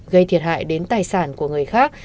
gây thiệt hại đến tài sản của người khác